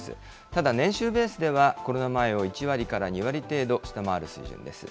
ただ、年収ベースではコロナ前を１割から２割程度下回る水準です。